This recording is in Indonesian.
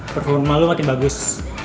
performa lo makin bagus